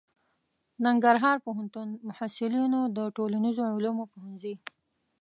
ننګرهار پوهنتون محصلینو د ټولنیزو علومو پوهنځي